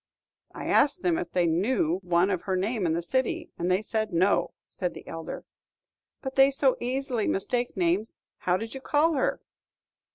"I asked them if they knew one of her name in the city, and they said, 'No,'" said the elder. "But they so easily mistake names: how did you call her?"